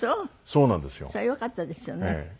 それはよかったですよね。